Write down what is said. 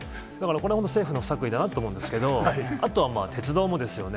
これも政府の不作為だなと思うんですけど、あとは鉄道もですよね。